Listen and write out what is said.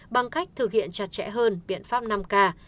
bằng cách thực hiện chặt chẽ hơn biện pháp năm k